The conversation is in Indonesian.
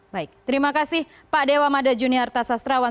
baik terima kasih pak dewa mada junior tasastrawan